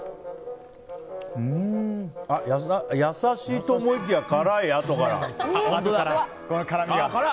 やさしいと思いきや辛いあとから。